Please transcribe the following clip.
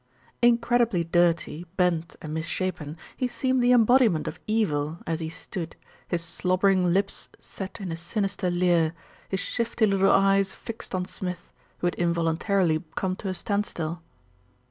Incredibly dirty, bent and misshapen, he seemed the embodiment of evil as he stood, his slobbering lips set in a sinister leer, his shifty little eyes fixed on Smith, who had involuntarily come to a standstill.